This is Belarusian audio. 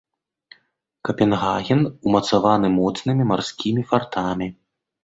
Капенгаген ўмацаваны моцнымі марскімі фартамі.